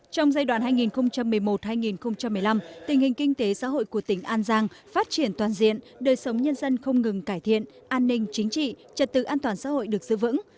trong giai đoạn hai nghìn một mươi một hai nghìn một mươi năm tình hình kinh tế xã hội của tỉnh an giang phát triển toàn diện đời sống nhân dân không ngừng cải thiện an ninh chính trị trật tự an toàn xã hội được giữ vững